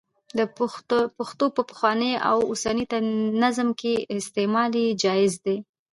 د پښتو په پخواني او اوسني نظم کې استعمال یې جائز دی.